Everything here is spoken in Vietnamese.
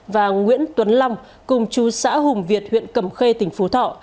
và nguyễn tuấn long cùng chú xã hùng việt huyện cầm khê tỉnh phú thọ